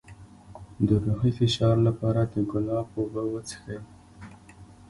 د روحي فشار لپاره د ګلاب اوبه وڅښئ